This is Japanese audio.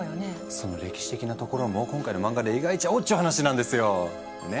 その歴史的なところも今回の漫画で描いちゃおうっちゅう話なんですよ。ね？